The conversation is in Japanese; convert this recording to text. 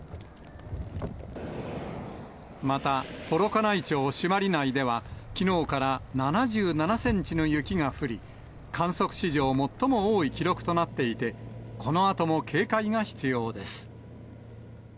また、幌加内町朱鞠内では、きのうから７７センチの雪が降り、観測史上最も多い記録となっていて、このあとも警戒が必要です。